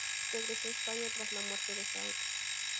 Regresó a España tras la muerte de Franco.